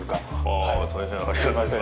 ああ大変ありがたいです。